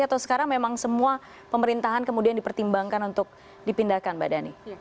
atau sekarang memang semua pemerintahan kemudian dipertimbangkan untuk dipindahkan mbak dhani